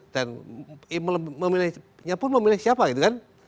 dan memilihnya pun memilih siapa gitu kan